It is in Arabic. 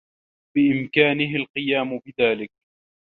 بإمكانه القيام بذلك.